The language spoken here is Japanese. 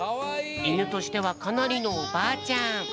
いぬとしてはかなりのおばあちゃん。